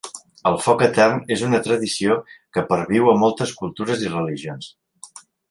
El foc etern és una tradició que perviu a moltes cultures i religions.